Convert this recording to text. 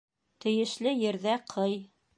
Тейешле ерҙә ҡый.